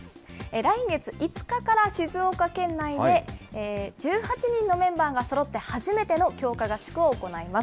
来月５日から静岡県内で１８人のメンバーがそろって初めての強化合宿を行います。